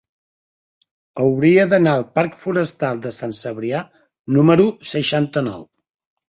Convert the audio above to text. Hauria d'anar al parc Forestal de Sant Cebrià número seixanta-nou.